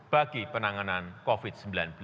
bagi penanganan covid sembilan belas